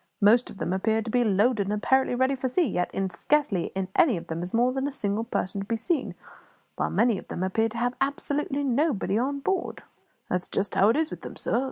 Most of them appear to be loaded and apparently ready for sea, yet in scarcely any of them is more than a single person to be seen; while many of them appear to have absolutely nobody at all on board." "That's just how it is with them, sir.